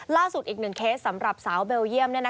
ล่าสุดอีกหนึ่งเคสสำหรับสาวเบลเยี่ยม